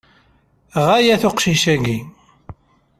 Ɣaya-t uqcic-agi.